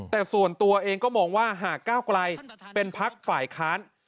แต่ส่วนตัวเองก็มองว่าหากก้าวไกลเป็นพักฝ่ายค้าน